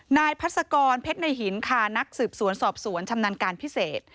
พัศกรเพชรในหินค่ะนักสืบสวนสอบสวนชำนาญการพิเศษ